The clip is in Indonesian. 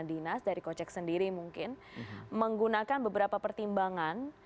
ya ini memang